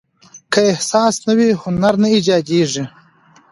که احساس نه وي، هنر نه ایجاديږي.